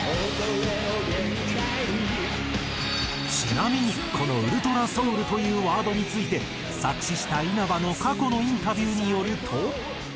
ちなみにこの「ウルトラソウル」というワードについて作詞した稲葉の過去のインタビューによると。